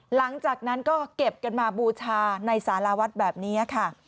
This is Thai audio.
หลังจากนั้นก็เก็บกันมาบูชาในสารวัดแบบนี้ค่ะ